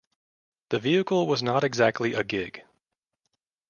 The vehicle was not exactly a gig.